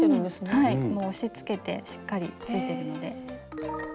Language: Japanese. はいもう押しつけてしっかりついてるので。